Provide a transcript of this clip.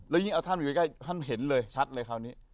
ยิ่งเอาท่านอยู่ใกล้ท่านเห็นเลยชัดเลยคราวนี้